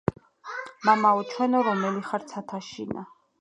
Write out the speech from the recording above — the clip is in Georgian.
მამაო ჩვენო რომელი ხარ ცათა შინა